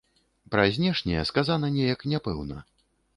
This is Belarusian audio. Пра знешнія сказана неяк няпэўна.